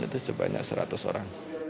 itu sebanyak seratus orang